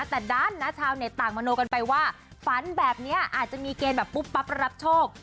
แต่ด้านนะชาวเน็ตต่างมโนกันไปว่าฝันแบบนี้อาจจะมีเกณฑ์แบบปุ๊บปั๊บรับโชค